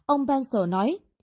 ông pencil nói